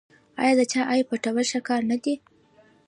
آیا د چا عیب پټول ښه کار نه دی؟